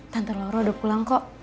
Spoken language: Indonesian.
tante loro udah pulang kok